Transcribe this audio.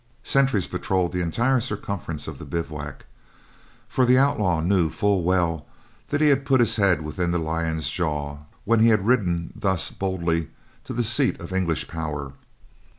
Sentries patrolled the entire circumference of the bivouac, for the outlaw knew full well that he had put his head within the lion's jaw when he had ridden thus boldly to the seat of English power.